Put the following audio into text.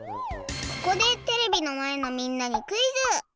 ここでテレビのまえのみんなにクイズ。